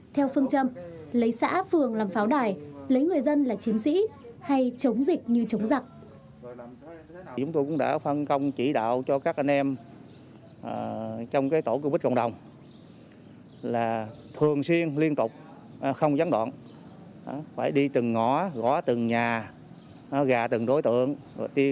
theo phương châm lấy xã phường làm pháo đài lấy người dân là chiến sĩ